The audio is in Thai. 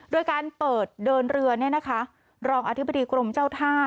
โดยการเปิดเดินเรือรองอธิบดีกรมเจ้าท่า